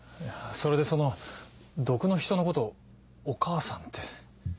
いやそれでその毒の人のことを「お母さん」って。